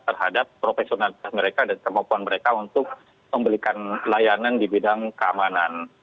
terhadap profesionalitas mereka dan kemampuan mereka untuk memberikan layanan di bidang keamanan